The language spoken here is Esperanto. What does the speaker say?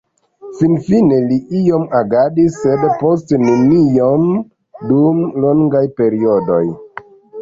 Finfine li iom agadis, sed poste neniom dum longaj periodoj.